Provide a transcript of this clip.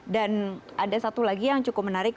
dan ada satu lagi yang cukup menarik